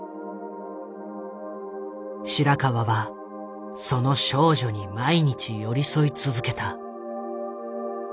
白川はその少女に毎日寄り添い続けた。